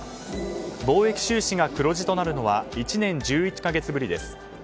貿易収支が黒字となるのは１年１１か月ぶりです。